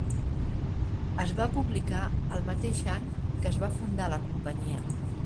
Es va publicar el mateix any que es va fundar la companyia.